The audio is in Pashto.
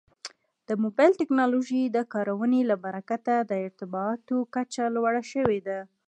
د موبایل ټکنالوژۍ د کارونې له برکته د ارتباطاتو کچه لوړه شوې ده.